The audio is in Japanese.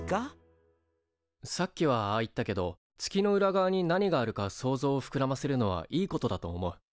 さっきはああ言ったけど月の裏側に何があるか想像をふくらませるのはいいことだと思う。